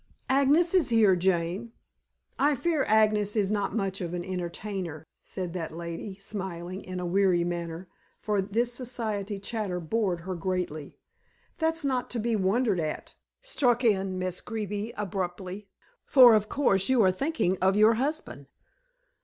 "Agnes is here, Jane." "I fear Agnes is not much of an entertainer," said that lady, smiling in a weary manner, for this society chatter bored her greatly. "That's not to be wondered at," struck in Miss Greeby abruptly. "For of course you are thinking of your husband."